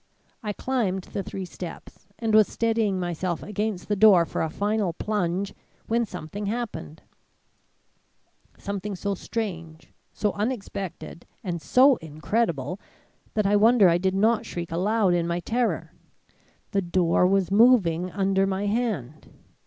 I climbed the three steps and was steadying myself against the door for a final plunge, when something happened something so strange, so unexpected, and so incredible that I wonder I did not shriek aloud in my terror. The door was moving under my hand.